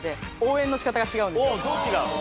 どう違うの？